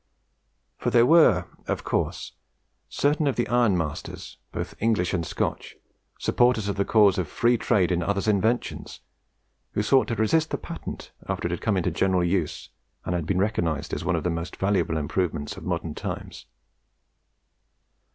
For there were, of course, certain of the ironmasters, both English and Scotch, supporters of the cause of free trade in others' inventions, who sought to resist the patent, after it had come into general use, and had been recognised as one of the most valuable improvements of modern times.